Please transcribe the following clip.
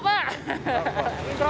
bagaimana pakai masker